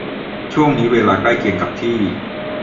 ช่วงเวลาใกล้เคียงกับที่